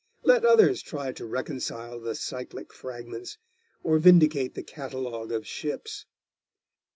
Let others try to reconcile the Cyclic fragments, or vindicate the Catalogue of ships.